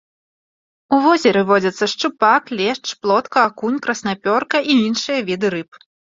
У возеры водзяцца шчупак, лешч, плотка, акунь, краснапёрка і іншыя віды рыб.